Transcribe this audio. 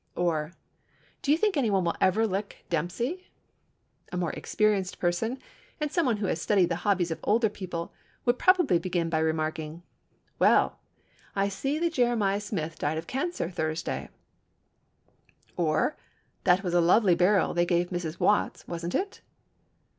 or "Do you think any one will ever lick Dempsey?" A more experienced person, and some one who had studied the hobbies of old people, would probably begin by remarking, "Well, I see that Jeremiah Smith died of cancer Thursday," or "That was a lovely burial they gave Mrs. Watts, wasn't it?"